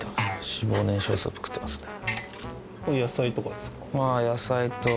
脂肪燃焼スープ食ってますね。